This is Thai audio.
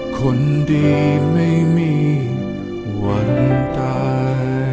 คนดีไม่มีวันตาย